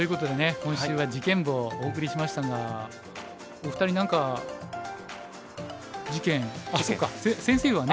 今週は事件簿をお送りしましたがお二人何か事件あっそっか先生はね。